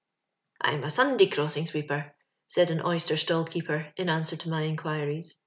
^I'M a Sunday crosahig Bweeper,'' said an oy^ter stall keeper^ in answer to my inquiries.